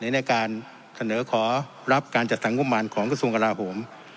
ในการเสนอขอรับการจัดสรรงบมารของกระทรวงกราโหม